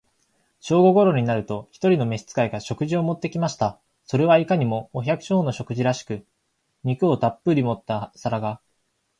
正午頃になると、一人の召使が、食事を持って来ました。それはいかにも、お百姓の食事らしく、肉をたっぶり盛った皿が、